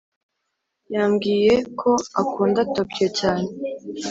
yambwiyeko akunda tokyo cyane